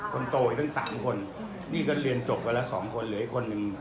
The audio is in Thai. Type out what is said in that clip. คนโตไปมีตั้ง๓คน